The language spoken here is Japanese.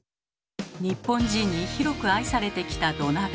日本人に広く愛されてきた土鍋。